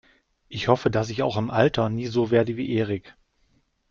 Ich hoffe, dass ich auch im Alter nie so werde wie Erik.